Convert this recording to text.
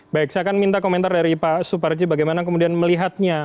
baik saya akan minta komentar dari pak suparji bagaimana kemudian melihatnya